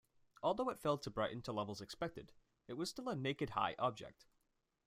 Although it failed to brighten to levels expected, it was still a naked-eye object.